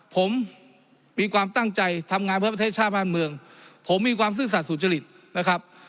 ผมมีความตั้งใจทำงานเพื่อประเทศชาติบ้านเมืองผมมีความซื่อสัตว์สุจริตนะครับ